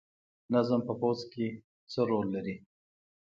نظم په پوځ کې څه رول لري؟